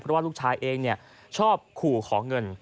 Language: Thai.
เพราะว่าลูกชายเองชอบขู่ขอเงิน